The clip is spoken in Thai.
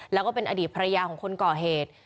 แล้วก็เป็นอดีตภรรยาของคนก่อเหตุ